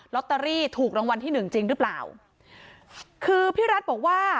ตเตอรี่ถูกรางวัลที่หนึ่งจริงหรือเปล่าคือพี่รัฐบอกว่า